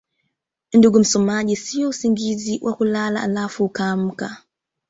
ndugu msomaji siyo usingizi wa kulala alafu ukaamka